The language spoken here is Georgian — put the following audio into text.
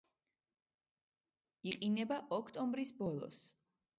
იყინება ოქტომბრის ბოლოს.